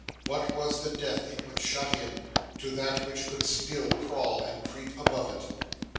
What was the death it would shut in, to that which still could crawl and creep above it!